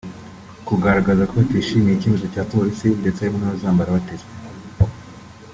kugaragaza ko batishimiye icyemezo cya Polisi ndetse harimo n’abazambara batebya